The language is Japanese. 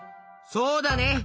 そうだね。